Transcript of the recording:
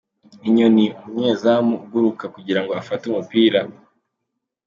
Inyoni : Umunyezamu uguruka kugirango afate umupira.